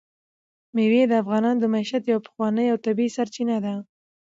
مېوې د افغانانو د معیشت یوه پخوانۍ او طبیعي سرچینه ده.